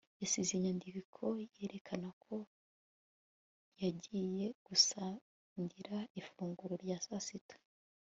yasize inyandiko yerekana ko yagiye gusangira ifunguro rya sasita